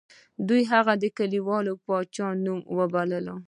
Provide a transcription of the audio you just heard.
دوی هغه د کلیوال پاچا په نوم باله.